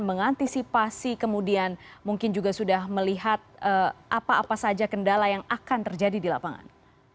mengantisipasi kemudian mungkin juga sudah melihat apa apa saja kendala yang akan terjadi di lapangan